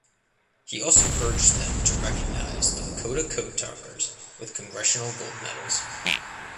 He also urged them to recognize the Lakota code talkers with Congressional Gold Medals.